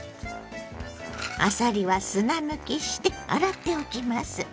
あさりは砂抜きして洗っておきます。